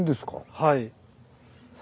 はい。